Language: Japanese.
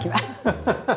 ハハハハ！